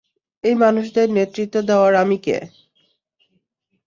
এই মানুষদের নেতৃত্ব দেওয়ার আমি কে?